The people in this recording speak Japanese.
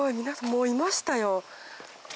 もういましたよ。